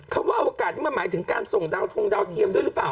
คำว่าโอกาสที่มาหมายถึงการส่งดาวน์ทีมด้วยหรือเปล่า